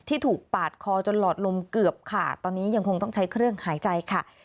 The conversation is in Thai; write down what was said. ถูกปาดคอจนหลอดลมเกือบขาดตอนนี้ยังคงต้องใช้เครื่องหายใจค่ะ